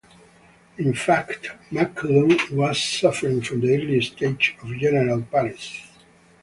In fact, McCullough was suffering from the early stages of general paresis.